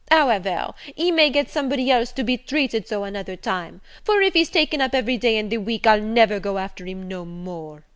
However, he may get somebody else to be treated so another time; for, if he's taken up every day in the week, I'll never go after him no more."